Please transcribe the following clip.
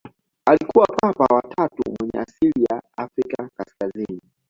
Alikuwa Papa wa tatu mwenye asili ya Afrika kaskazini.